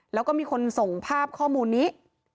แล้วก็มีคนส่งภาพข้อมูลนี้